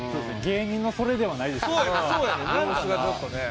芸人のそれではないですよね。